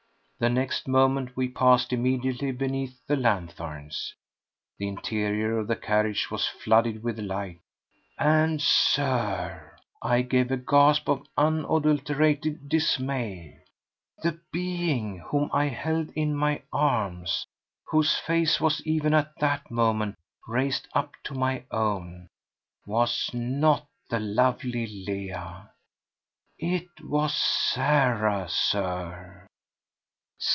The next moment we passed immediately beneath the lanthorns. The interior of the carriage was flooded with light ... and, Sir, I gave a gasp of unadulterated dismay! The being whom I held in my arms, whose face was even at that moment raised up to my own, was not the lovely Leah! It was Sarah, Sir!